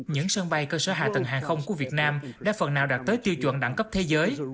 những sân bay cơ sở hạ tầng hàng không của việt nam đã phần nào đạt tới tiêu chuẩn đẳng cấp thế giới